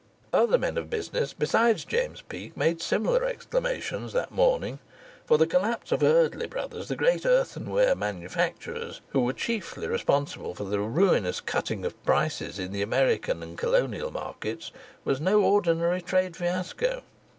Other men of business, besides James Peake, made similar exclamations that morning; for the collapse of Eardley Brothers, the great earthenware manufacturers, who were chiefly responsible for the ruinous cutting of prices in the American and Colonial markets, was no ordinary trade fiasco.